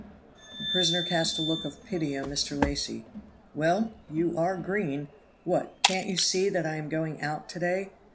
The prisoner cast a look of pity on Mr. Lacy. "Well, you are green what, can't you see that I am going out to day?